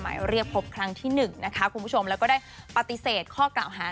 หมายเรียกพบครั้งที่หนึ่งนะคะคุณผู้ชมแล้วก็ได้ปฏิเสธข้อกล่าวหา